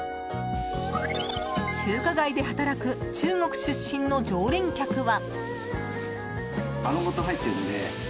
中華街で働く中国出身の常連客は。